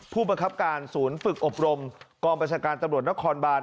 ผู้บังคับการศูนย์ฝึกอบรมกองประชาการตำรวจนครบาน